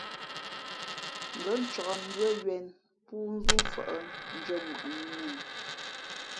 Ngα̌ ncāk mbʉ́ά ywēn póónzʉ̄ mfαʼ ndʉ̄ᾱŋwαni mēn a.